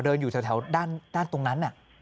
อยู่แถวด้านตรงนั้น